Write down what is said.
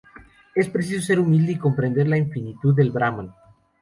Es preciso ser humilde y comprender la infinitud del Brahman.